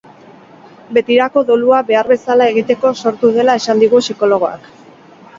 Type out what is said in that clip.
Betirako dolua behar bezala egiteko sortu dela esan digu psikologoak.